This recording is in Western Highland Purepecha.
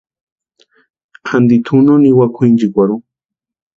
Anti tʼu no niwa kwʼinchikwarhu.